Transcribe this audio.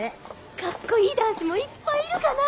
カッコいい男子もいっぱいいるかなぁ？